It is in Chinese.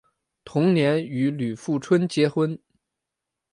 同年与李富春结婚。